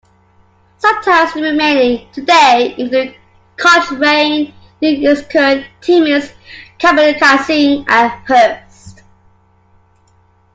Some towns still remaining today include Cochrane, New Liskeard, Timmins, Kapuskasing, and Hearst.